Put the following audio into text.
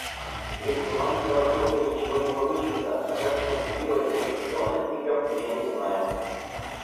Без командного духа ничего не получится, а как смотивировать моих сокомандников, я не знаю.